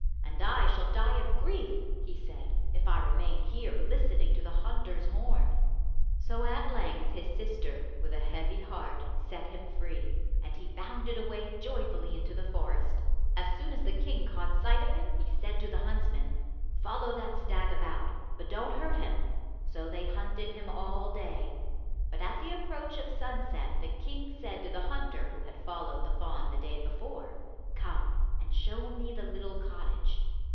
"And I shall die of grief," he said, "if I remain here listening to the hunter's horn." So at length his sister, with a heavy heart, set him free, and he bounded away joyfully into the forest. As soon as the king caught sight of him, he said to the huntsmen, "Follow that stag about, but don't hurt him." So they hunted him all day, but at the approach of sunset the king said to the hunter who had followed the fawn the day before, "Come and show me the little cottage."